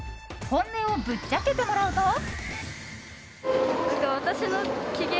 本音をぶっちゃけてもらうと。